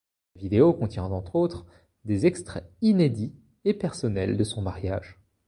La vidéo contient entre autres des extraits inédits et personnels de son mariage.